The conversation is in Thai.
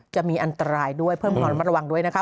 จะมีอันตรายด้วยเพิ่มความระวังด้วยนะครับ